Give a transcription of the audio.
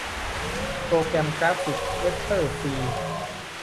โปรแกรมกราฟิกเวกเตอร์ฟรี